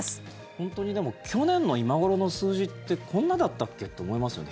本当に、でも去年の今頃の数字ってこんなだったっけ？って思いますよね。